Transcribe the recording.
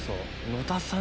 野田さん